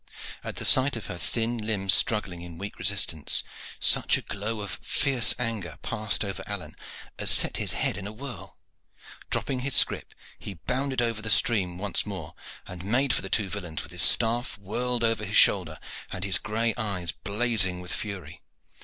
At the sight of her thin limbs struggling in weak resistance, such a glow of fierce anger passed over Alleyne as set his head in a whirl. Dropping his scrip, he bounded over the stream once more, and made for the two villains, with his staff whirled over his shoulder and his gray eyes blazing with fury.